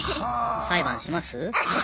裁判します？